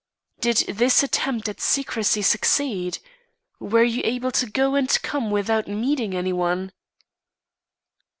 "Did this attempt at secrecy succeed? Were you able to go and come without meeting any one?"